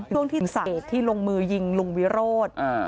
ช่วงที่สาเหตุที่ลงมือยิงลุงวิโรธ